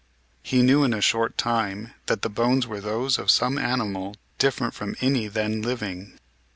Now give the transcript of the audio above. He knew in a short time that the bones were those of some animal different from any then living.